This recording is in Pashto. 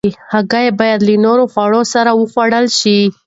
هګۍ باید له نورو خوړو سره وخوړل شي.